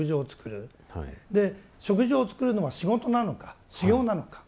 で食事を作るのは仕事なのか修行なのか。